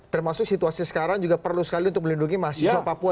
termasuk situasi sekarang juga perlu sekali untuk melindungi mahasiswa papua